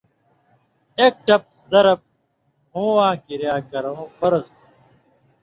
ایک ٹَپ (ضَرب) مھُوواں کِریا کَرٶں فرض تھُو۔